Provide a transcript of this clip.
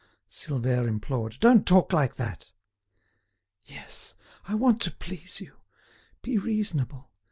Silvère implored; "don't talk like that." "Yes. I want to please you. Be reasonable.